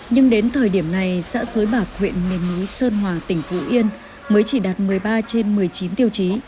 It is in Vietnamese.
nhưng đến thời điểm này xã xối bạc huyện miền núi sơn hòa tỉnh phú yên mới chỉ đạt một mươi ba trên một mươi chín tiêu chí